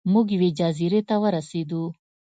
موږ یوې جزیرې ته ورسیدو.